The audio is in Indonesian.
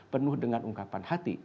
penuh dengan ungkapan hati